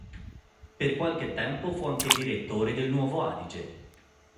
Per qualche tempo fu anche direttore del "Nuovo Adige".